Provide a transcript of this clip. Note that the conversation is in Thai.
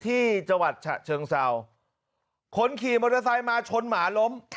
ที่จังหวัดฉะเชิงเศร้าคนขี่มอเตอร์ไซค์มาชนหมาล้ม